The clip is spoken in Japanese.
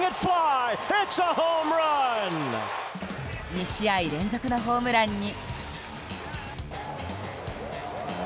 ２試合連続のホームランに。